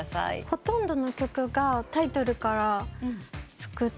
ほとんどの曲がタイトルから作っていて。